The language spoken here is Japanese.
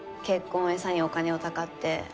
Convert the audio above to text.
結婚を餌にお金をたかって。